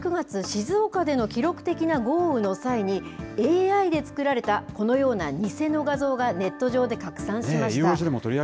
ことし９月、静岡での記録的な豪雨の際に、ＡＩで作られたこのような偽の画像がネット上で拡散しました。